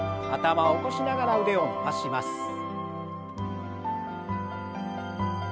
頭を起こしながら腕を伸ばします。